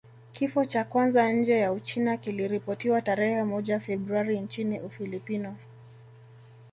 Kifo cha kwanza nje ya Uchina kiliripotiwa tarehe moja Februari nchini Ufilipino